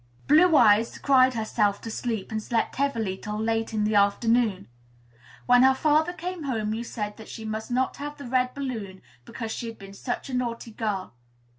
Blue Eyes cried herself to sleep, and slept heavily till late in the afternoon. When her father came home, you said that she must not have the red balloon, because she had been such a naughty girl.